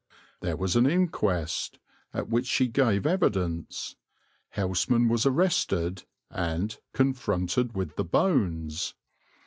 There was an inquest, at which she gave evidence; Houseman was arrested and "confronted with the bones."